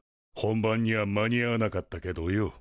本番には間に合わなかったけどよ。